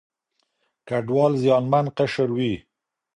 کډوال زیانمن قشر وي.